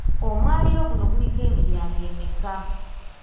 Omwaliiro guno guliko emiryango emeka?